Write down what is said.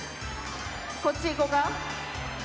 こっちいこうか？